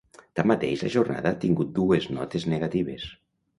Tanmateix, la jornada ha tingut dues notes negatives.